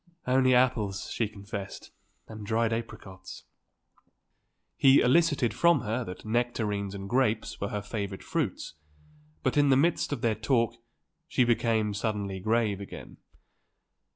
"Only apples," she confessed, "and dried apricots." He elicited from her that nectarines and grapes were her favourite fruits. But in the midst of their talk she became suddenly grave again.